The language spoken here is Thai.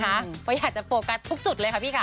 เพราะอยากจะโฟกัสทุกจุดเลยค่ะพี่ค่ะ